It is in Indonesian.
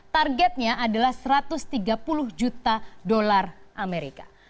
targetnya adalah satu ratus tiga puluh juta dolar amerika